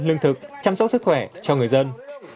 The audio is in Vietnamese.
lương thực chăm sóc sức khỏe cho người dân